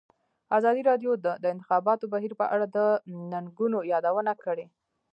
ازادي راډیو د د انتخاباتو بهیر په اړه د ننګونو یادونه کړې.